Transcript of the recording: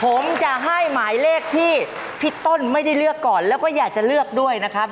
ผมจะให้หมายเลขที่พี่ต้นไม่ได้เลือกก่อนแล้วก็อยากจะเลือกด้วยนะครับ